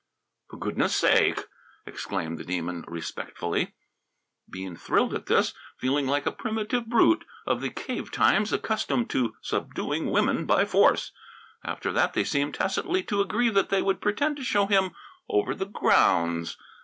"For goodness' sake!" exclaimed the Demon respectfully. Bean thrilled at this, feeling like a primitive brute of the cave times, accustomed to subduing women by force. After that they seemed tacitly to agree that they would pretend to show him over the "grounds."